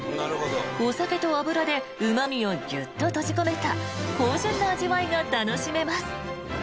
［お酒と油でうま味をギュッと閉じ込めた芳醇な味わいが楽しめます］